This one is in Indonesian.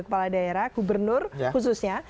kepala daerah gubernur khususnya